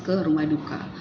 ke rumah duka